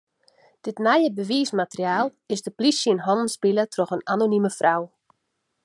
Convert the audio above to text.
Dit nije bewiismateriaal is de plysje yn hannen spile troch in anonime frou.